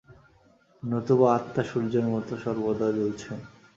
নতুবা আত্মা সূর্যের মত সর্বদা জ্বলছেন।